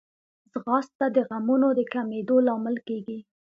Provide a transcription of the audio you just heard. ځغاسته د غمونو د کمېدو لامل کېږي